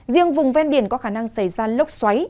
riêng vùng ven biển có khả năng xảy ra lốc xoáy